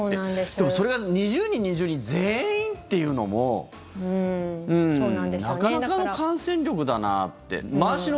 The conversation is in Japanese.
でも、それが２０人に２０人全員というのもなかなかの感染力だなって。